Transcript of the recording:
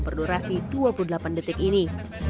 berdurasi dua puluh delapan detik ini